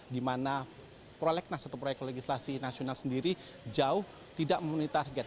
di mana prolegnas atau proyek legislasi nasional sendiri jauh tidak memenuhi target